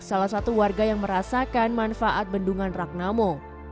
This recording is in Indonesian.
salah satu warga yang merasakan manfaat bendungan ragnamo